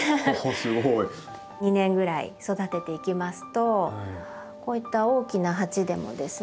すごい。２年ぐらい育てていきますとこういった大きな鉢でもですね